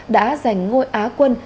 đã giành ngôi á quân